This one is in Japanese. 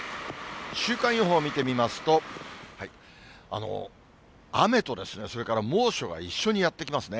週間予報を見てみますと、雨とそれから猛暑が一緒にやって来ますね。